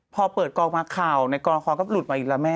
พอเปิดกองมาข่าวในกองละครก็หลุดมาอีกแล้วแม่